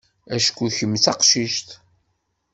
Acku kemm d taqcict.